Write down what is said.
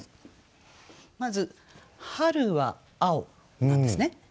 まず春は青なんですね。